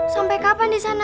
sampai kapan disana